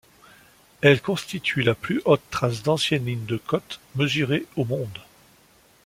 Elles constituent la plus haute trace d'ancienne ligne de côte mesurée au monde.